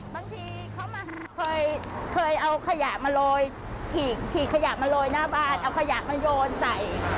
บางทีเขาเคยเอาขยะมาโรยถีกขยะมาโรยหน้าบ้านเอาขยะมาโยนใส่